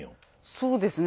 そうですね。